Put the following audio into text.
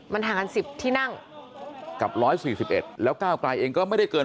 มันห่างกัน๑๐ที่นั่งกับ๑๔๑แล้วก้าวกลายเองก็ไม่ได้เกิน